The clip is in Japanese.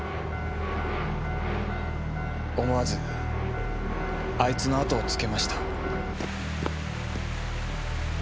思わずあいつのあとをつけました。